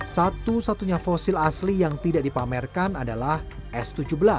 satu satunya fosil asli yang tidak dipamerkan adalah s tujuh belas